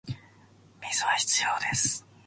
水は必要です